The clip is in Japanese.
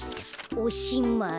おしまい」。